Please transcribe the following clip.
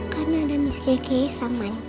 karena ada miss gege sama